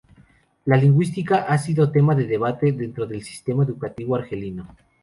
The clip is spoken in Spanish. La lingüística ha sido tema de debate dentro del sistema educativo argelino.